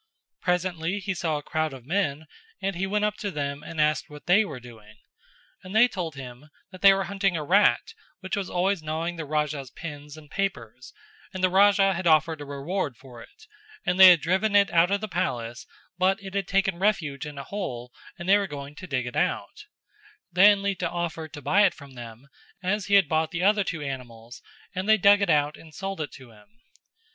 Presently he saw a crowd of men and he went up to them and asked what they were doing: and they told him that they were hunting a rat which was always gnawing the Raja's pens and papers and the Raja had offered a reward for it, and they had driven it out of the palace, but it had taken refuge in a hole and they were going to dig it out Then Lita offered to buy it from them as he had bought the other two animals and they dug it out and sold it to him.